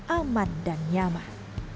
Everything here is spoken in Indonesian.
aman dan nyaman